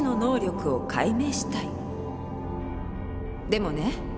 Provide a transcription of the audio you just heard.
でもね